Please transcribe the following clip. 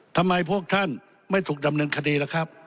ทำไมพวกท่านไม่ถูกดำเนินคดีล่ะครับ